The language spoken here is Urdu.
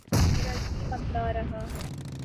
میرا جی متلا رہا ہے